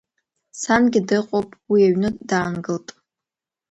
Сангьы дыҟоуп, уи аҩны даангылт.